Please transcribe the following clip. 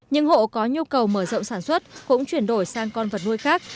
những hộ có nhu cầu mở rộng sản xuất cũng chuyển đổi sang con vật nuôi khác